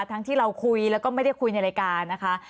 ที่เราคุยแล้วก็ไม่ได้คุยในรายการนะคะ